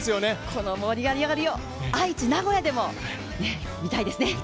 この盛り上がりを愛知・名古屋でも見たいですね。